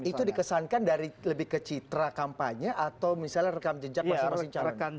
itu dikesankan dari lebih kecitra kampanye atau misalnya rekam jejak masing masing calon